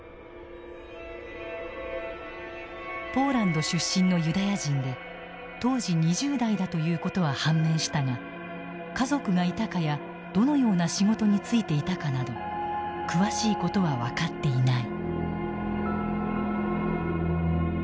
ポーランド出身のユダヤ人で当時２０代だということは判明したが家族がいたかやどのような仕事に就いていたかなど詳しいことは分かっていない。